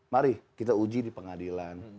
mari kita uji di pengadilan